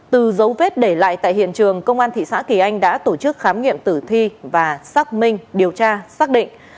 từ dấu vết để lại tại hiện trường công an thị xã kỳ anh đã tổ chức khám nghiệm tử thi và xác minh điều tra xác định